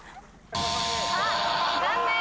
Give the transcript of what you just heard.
あっ残念！